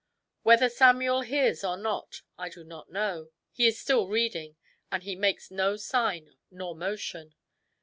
Whether Samuel hears or not, I do not know. He is still reading, and he makes no sign nor motion.